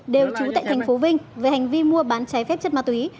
đều trú tại tp vinh về hành vi mua bán trái phép chất ma túy